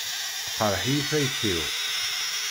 Teqreḥ-iyi tayet-iw.